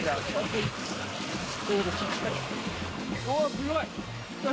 すごい！